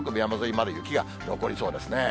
まだ雪が残りそうですね。